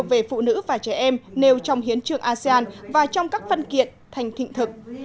về phụ nữ và trẻ em nêu trong hiến trường asean và trong các phân kiện thành thịnh thực